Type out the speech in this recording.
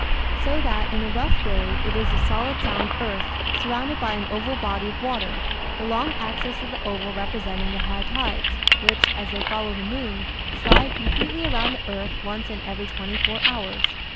So that in a rough way it is a solid sound earth, surrounded by an oval body of water: the long axis of the oval representing the high tides, which, as they follow the moon, slide completely around the earth once in every twenty four hours.